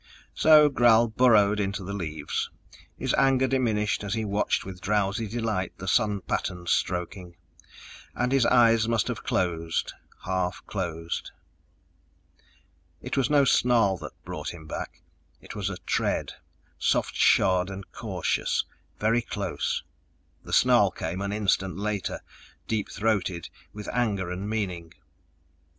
So Gral burrowed into the leaves, his anger diminished as he watched with drowsy delight the sun patterns stroking. And his eyes must have closed, half closed.... It was no snarl that brought him back it was a tread, soft shod and cautious, very close. The snarl came an instant later, deep throated with anger and meaning.